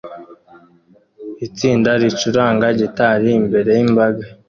Itsinda ricuranga gitari imbere yimbaga